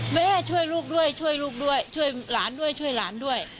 แม่ช่วยลูกด้วยช่วยลูกด้วยช่วยหลานด้วยช่วยหลานด้วย